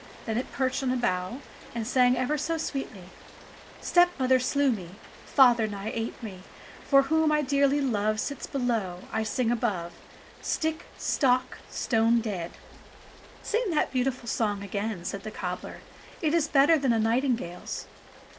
Then it perched on a bough and sang ever so sweetly : "Stepmother slew me, Father nigh ate me, He whom I dearly love Sits below, I sing above. Stick! Stock! Stone dead !" "Sing that beautiful song again," said the cobbler. "It is better than a nightingale's."